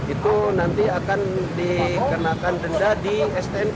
itu nanti akan dikenakan denda di stnk